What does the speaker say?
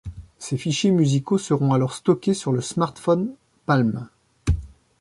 Ces fichiers musicaux seront alors stockés sur le smartphone Palm.